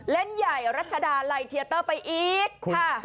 เล่นใหญ่รัชดาลัยเทียเตอร์ไปอีกค่ะ